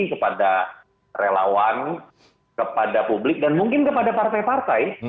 kepada relawan kepada publik dan mungkin kepada partai partai